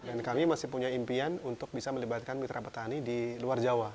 dan kami masih punya impian untuk bisa melibatkan mitra petani di luar jawa